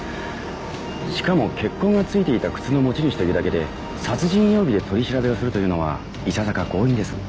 しかも血痕が付いていた靴の持ち主というだけで殺人容疑で取り調べをするというのはいささか強引です。